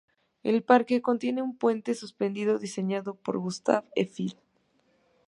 El parque contiene un puente suspendido diseñado por Gustave Eiffel.